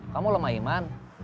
kamu lemah iman